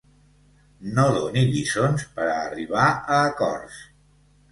No doni lliçons per a arribar a acords